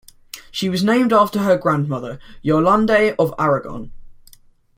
She was named after her grandmother, Yolande of Aragon.